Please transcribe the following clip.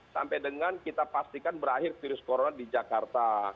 sampai dengan kita pastikan berakhir virus corona di jakarta